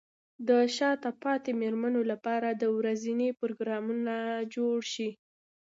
د شاته پاتې مېرمنو لپاره د روزنې پروګرامونه جوړ شي.